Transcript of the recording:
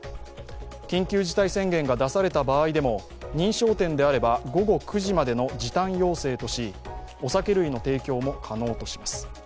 緊急事態宣言が出された場合でも認証店であれば午後９時までの時短要請としお酒類の提供も可能とします。